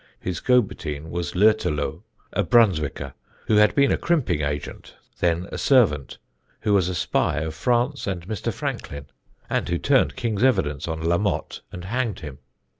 His go between was Lütterloh, a Brunswicker, who had been a crimping agent, then a servant, who was a spy of France and Mr. Franklin, and who turned king's evidence on La Motte, and hanged him.